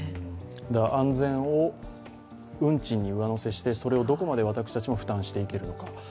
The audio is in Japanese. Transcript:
安全を運賃に上乗せしてそれをどこまで私たちも負担していけるのか。